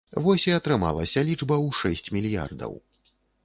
Вось і атрымалася лічба ў шэсць мільярдаў.